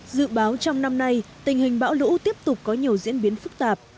dự báo trong năm nay tình hình bão lũ tiếp tục có nhiều diễn biến phức tạp